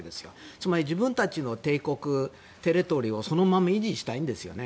つまり自分たちの帝国テリトリーをそのまま維持したいんですよね。